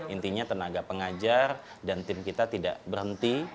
intinya tenaga pengajar dan tim kita tidak berhenti